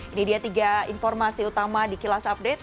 ini dia tiga informasi utama di kilas update